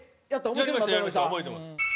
覚えてます。